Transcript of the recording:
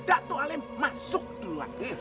datuk alem masuk dulu